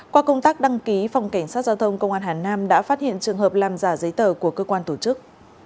qua công tác đăng ký phòng cảnh sát giao thông công an hà nam đã phát hiện trường hợp làm giả giấy tờ của cơ quan tổ chức